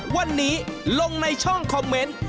วันนี้ลงในช่องคอมเมนต์